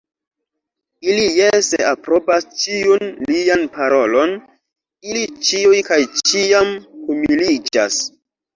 Ili jese aprobas ĉiun lian parolon, ili ĉiuj kaj ĉiam humiliĝas!